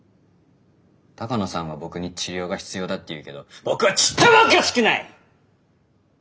鷹野さんは僕に治療が必要だって言うけど僕はちっともおかしくない！